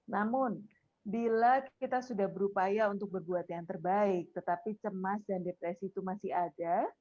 namun bila kita sudah berupaya untuk berbuat yang terbaik tetapi cemas dan depresi itu masih ada